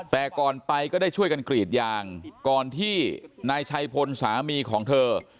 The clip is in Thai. แต่ก่อนไปก็ได้ช่วยกันกรีดยางก่อนที่นายชัยพลสามีของเธอ